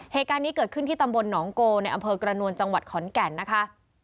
เหตุการณ์นี้เกิดขึ้นที่ตำบลหนองโกในอำเภอกระนวลจังหวัดขอนแก่นนะคะ